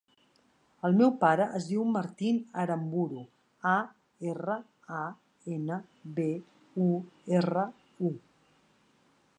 El meu pare es diu Martín Aranburu: a, erra, a, ena, be, u, erra, u.